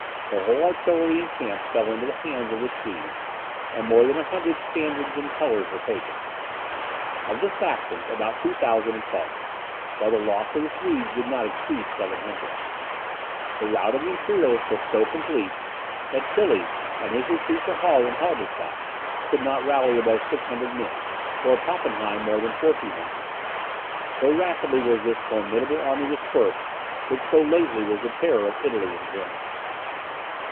Their whole artillery and camp fell into the hands of the Swedes, and more than a hundred standards and colours were taken. Of the Saxons about 2,000 had fallen, while the loss of the Swedes did not exceed 700. The rout of the Imperialists was so complete, that Tilly, on his retreat to Halle and Halberstadt, could not rally above 600 men, or Pappenheim more than 1,400 so rapidly was this formidable army dispersed, which so lately was the terror of Italy and Germany.